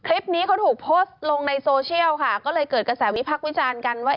คลิปนี้เขาถูกโพสต์ลงในโซเชียลค่ะก็เลยเกิดกระแสวิพักษ์วิจารณ์กันว่า